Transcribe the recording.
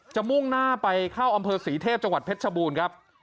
มุ่งหน้าไปเข้าอำเภอศรีเทพจังหวัดเพชรชบูรณ์ครับ